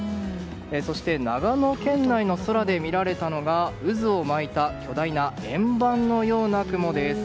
そして長野県内の空で見られたのが渦を巻いた巨大な円盤のような雲です。